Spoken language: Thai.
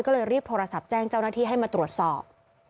ก็เลยรีบโทรศัพท์แจ้งเจ้าหน้าที่ให้มาตรวจสอบ